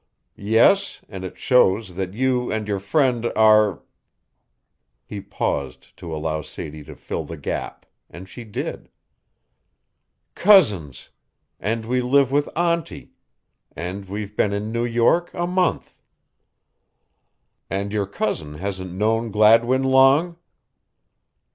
"Yes, and it shows that you and your friend are" He paused to allow Sadie to fill the gap, and she did. "Cousins and we live with Auntie and we've been in New York a month." "And your cousin hasn't known Gladwin long?"